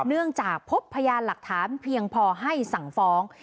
เนื่องจากพบพยานหลักฐานเพียงพอให้สั่งฟ้อง